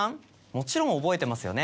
もちろん覚えてますよね。